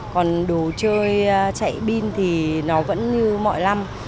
còn đồ chơi chạy pin thì nó vẫn như mọi năm